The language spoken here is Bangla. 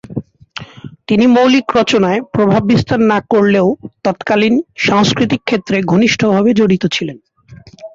তিনি মৌলিক রচনায় প্রভাব বিস্তার না করলেও তৎকালীন সাংস্কৃতিক ক্ষেত্রে ঘনিষ্ঠভাবে জড়িত ছিলেন।